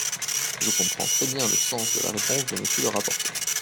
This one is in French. Je comprends très bien le sens de la réponse de Monsieur le rapporteur.